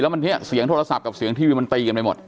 วันนี้เสียงโทรศัพท์กับเสียงทีวีมันตีกันไปหมด